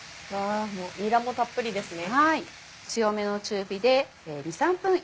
にらもたっぷりですね。